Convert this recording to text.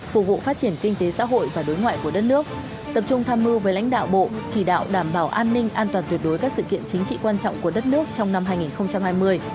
phục vụ phát triển kinh tế xã hội và đối ngoại của đất nước tập trung tham mưu với lãnh đạo bộ chỉ đạo đảm bảo an ninh an toàn tuyệt đối các sự kiện chính trị quan trọng của đất nước trong năm hai nghìn hai mươi